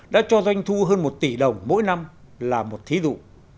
đã cho doanh thu hơn một tỷ đồng mỗi năm là một thí dụ